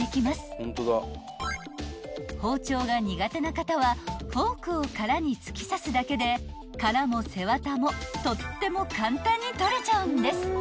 ［包丁が苦手な方はフォークを殻に突き刺すだけで殻も背わたもとっても簡単に取れちゃうんです］